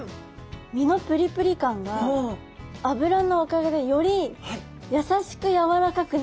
身のプリプリ感が脂のおかげでより優しくやわらかくなってるので。